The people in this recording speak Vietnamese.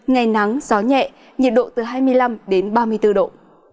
ngày nắng gió nhẹ nhiệt độ từ hai mươi năm đến ba mươi bốn độ